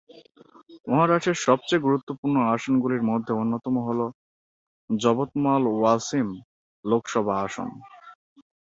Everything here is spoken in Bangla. মহারাষ্ট্রের সবচেয়ে গুরুত্বপূর্ণ আসনগুলির মধ্যে অন্যতম হল যবতমাল-ওয়াসিম লোকসভা আসন।